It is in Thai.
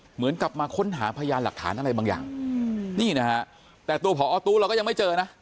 เหมือนกับมาค้นหาพยานหลักฐานอะไรบางอย่างนี่นะฮะแต่ตัวพอตู้เราก็ยังไม่เจอนะ